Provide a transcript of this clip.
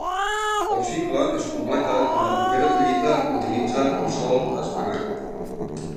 El cicle es completa quan la propera collita utilitza el sòl esmenat.